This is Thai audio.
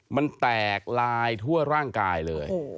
มันแตกลายทั่วร่างกายเลย